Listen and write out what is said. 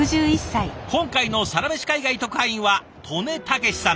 本回のサラメシ海外特派員は刀祢剛さん。